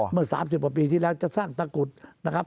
เมื่อ๓๐กว่าปีที่แล้วจะสร้างตะกุดนะครับ